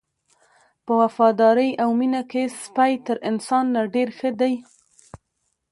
په وفادارۍ او مینه کې سپی تر انسان نه ډېر ښه دی.